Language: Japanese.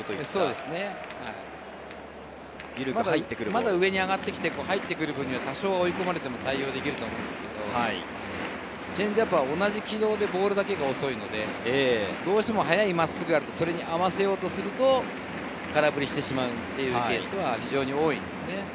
まだ上に上がってきて入ってくる分には多少追い込まれても対応できると思うんですけれど、チェンジアップは同じ軌道でボールだけが遅いので、どうしても速い真っすぐがあると、それに合わせようとすると空振りしてしまうケースが多いですよね。